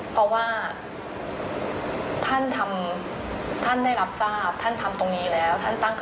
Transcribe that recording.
เพราะว่าท่านได้รับทราบท่านทำตรงนี้แล้ว